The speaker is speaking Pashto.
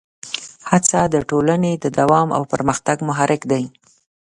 هڅه د ټولنې د دوام او پرمختګ محرک ده.